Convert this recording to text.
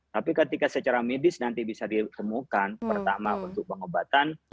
tapi ketika secara medis nanti bisa ditemukan pertama untuk pengobatan